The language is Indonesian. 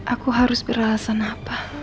aku harus beralasan apa